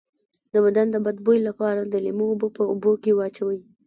د بدن د بد بوی لپاره د لیمو اوبه په اوبو کې واچوئ